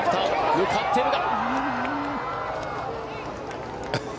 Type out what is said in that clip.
向かっているが。